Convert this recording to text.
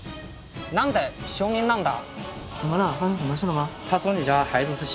何で小人なんだ